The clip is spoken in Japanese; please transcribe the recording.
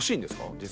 実際。